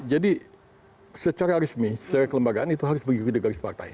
jadi secara resmi secara kelembagaan itu harus bergirir garis partai